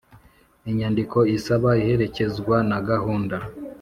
Inyandiko isaba iherekezwa na gahunda